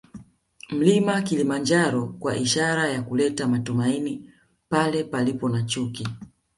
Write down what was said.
Mlima Kilimanjaro kwa ishara ya kuleta matumaini pale palipo na chuki